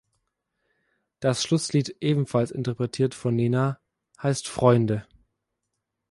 Das Schlusslied, ebenfalls interpretiert von Nena, heißt "Freunde".